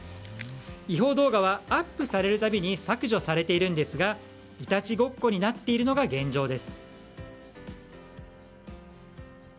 違法動画はアップされる度に削除されているんですがいたちごっこになっているのが現状です。